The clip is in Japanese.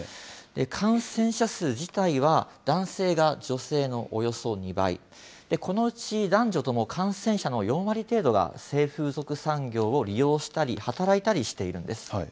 感染者数自体は、男性が女性のおよそ２倍、このうち、男女とも感染者の４割程度が、性風俗産業を利用したり働いたりしているんです。